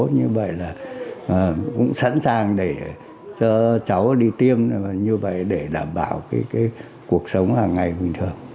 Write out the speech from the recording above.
như vậy là cũng sẵn sàng để cho cháu đi tiêm như vậy để đảm bảo cuộc sống hàng ngày bình thường